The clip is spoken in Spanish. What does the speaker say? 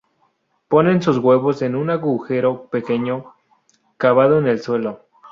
Ponen sus huevos en un agujero pequeño, cavado en el suelo.